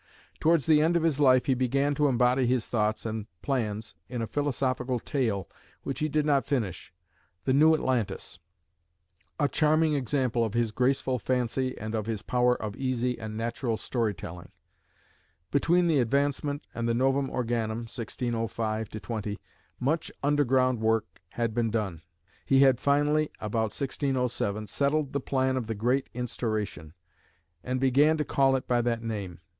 Towards the end of his life he began to embody his thoughts and plans in a philosophical tale, which he did not finish the New Atlantis a charming example of his graceful fancy and of his power of easy and natural story telling. Between the Advancement and the Novum Organum (1605 20) much underground work had been done. "He had finally (about 1607) settled the plan of the Great Instauration, and began to call it by that name."